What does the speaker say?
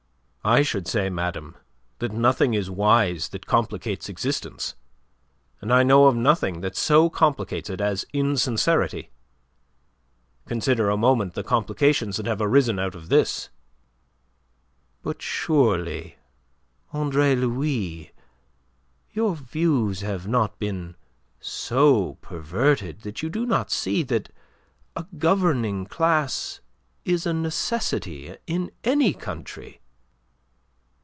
"I should say, madame, that nothing is wise that complicates existence; and I know of nothing that so complicates it as insincerity. Consider a moment the complications that have arisen out of this." "But surely, Andre Louis, your views have not been so perverted that you do not see that a governing class is a necessity in any country?"